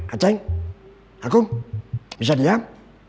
acing akum bisa diam